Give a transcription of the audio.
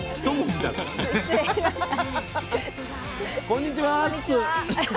こんにちは。